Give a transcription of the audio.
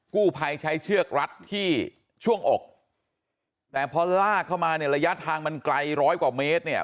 กู้ภัยใช้เชือกรัดที่ช่วงอกแต่พอลากเข้ามาเนี่ยระยะทางมันไกลร้อยกว่าเมตรเนี่ย